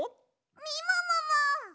みももも！